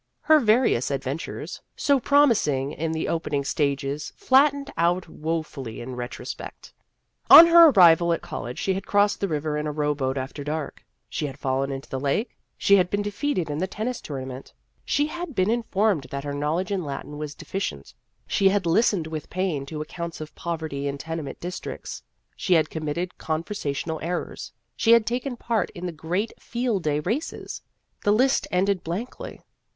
Her various adventures, so 1 8 Vassar Studies promising in the opening stages, flattened out wofully in retrospect. On her arrival at college she had crossed the river in a rowboat after dark ; she had fallen into the lake ; she had been defeated in the tennis tournament ; she had been in formed that her knowledge of Latin was deficient ; she had listened with pain to accounts of poverty in tenement districts ; she had committed conversational errors ; she had taken part in the great Field Day races. The list ended blankly.